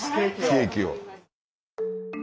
ケーキを。